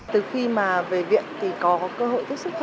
từ khi mà về viện thì có cơ hội tiếp xúc